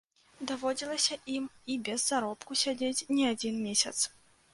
Даводзілася ім і без заробку сядзець не адзін месяц.